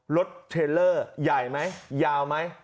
เทรลเลอร์ใหญ่ไหมยาวไหม